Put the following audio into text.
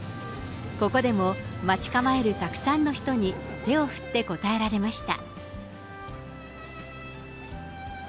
ここでも待ち構えるたくさんの人に手を振って応えられました。